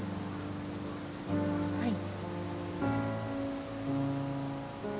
はい。